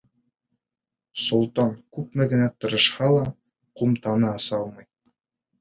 Солтан, күпме генә тырышһа ла, ҡумтаны аса алмай.